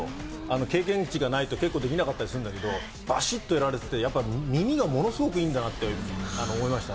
経験値がないとできなかったりするんですけど、バシッとやられていて、耳がものすごくいいんだなと思いました。